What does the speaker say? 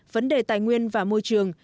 vấn đề tài nguyên và môi trường